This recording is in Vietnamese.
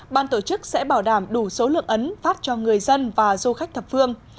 ban tổ chức sẽ bảo đảm đủ số lượng ấn phát cho người dân và du khách thập phương